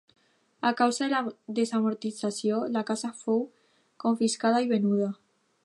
A causa de la Desamortització la casa fou confiscada i venuda.